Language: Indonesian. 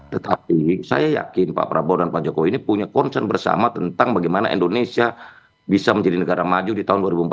tetapi saya yakin pak prabowo dan pak jokowi ini punya concern bersama tentang bagaimana indonesia bisa menjadi negara maju di tahun dua ribu empat puluh empat